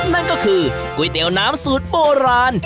นั่นก็คือก๋วยเตี๋ยวน้ำสูตรโบราณ